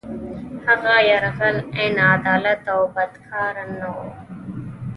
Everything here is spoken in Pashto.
هغه یرغل عین عدالت او بد کار نه وو.